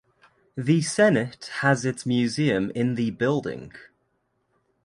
The Senate has its museum in the building.